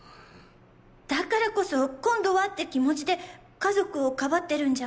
だからこそ今度はって気持ちで家族を庇ってるんじゃ。